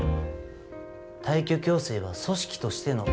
退去強制は組織としての決定です。